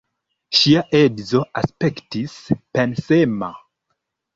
Ŝia edzo aspektis pensema.